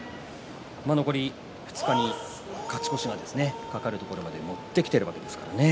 残り２日に勝ち越しが懸かるところまで持ってきているわけですからね。